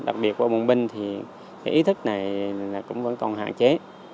đặc biệt qua bùng binh thì cái ý thức này cũng vẫn còn hạn chế